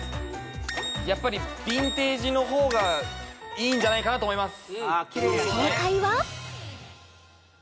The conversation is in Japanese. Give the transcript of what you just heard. やっぱりヴィンテージの方がいいんじゃないかなと思います